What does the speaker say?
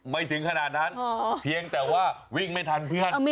ถึงขนาดนั้นเพียงแต่ว่าวิ่งไม่ทันเพื่อน